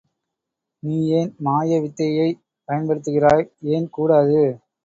நீ ஏன் மாய வித்தையைப் பயன்படுத்துகிறாய்? ஏன் கூடாது?